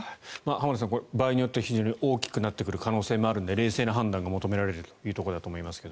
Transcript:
浜田さん場合によっては非常に大きくなってくる可能性があるので冷静な判断が求められるというところだと思いますが。